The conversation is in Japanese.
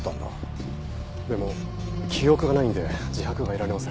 でも記憶がないんで自白が得られません。